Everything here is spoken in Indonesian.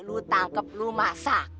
lu tangkep lu masak